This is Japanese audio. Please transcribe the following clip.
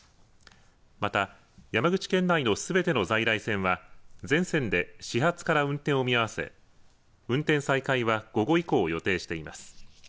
また、山口県内のすべての在来線は全線で始発から運転を見合わせ、運転再開は午後以降を予定しています。